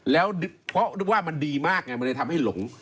แล้วเพราะนึกว่ามันดีมากไงมันเลยทำให้หลง